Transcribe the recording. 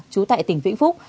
chú tại tỉnh vĩnh phúc